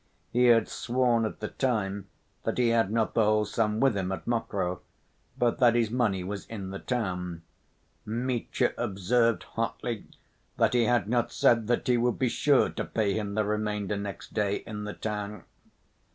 He had sworn at the time that he had not the whole sum with him at Mokroe, but that his money was in the town. Mitya observed hotly that he had not said that he would be sure to pay him the remainder next day in the town.